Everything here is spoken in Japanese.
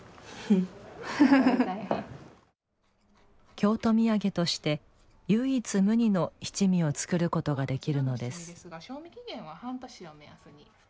京都土産として唯一無二の七味を作ることができるのです。